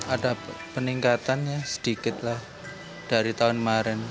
ada peningkatan sedikit dari tahun kemarin